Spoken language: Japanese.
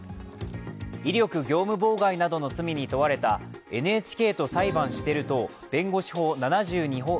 威力業務妨害などの罪に問われたＮＨＫと裁判してる党弁護士法７２条